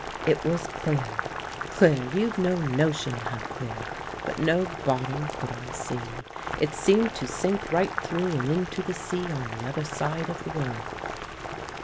It was clear, clear you've no notion how clear; but no bottom could I see. It seemed to sink right through and into the sea on the other side of the world!